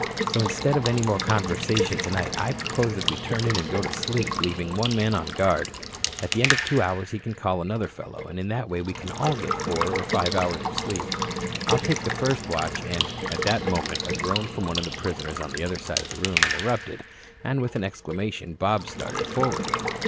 So, instead of any more conversation tonight, I propose that we turn in and go to sleep, leaving one man on guard. At the end of two hours he can call another fellow, and in that way we can all get four or five hours sleep. I'll take the first watch and " At that moment a groan from one of the prisoners on the other side of the room interrupted, and with an exclamation Bob started forward.